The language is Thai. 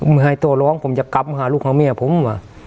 ไม่ให้ตัวร้องผมจะกลับมาหาลูกหาเมียผมว่ะ